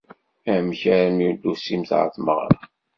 Amek armi ur d-tusimt ɣer tmeɣra?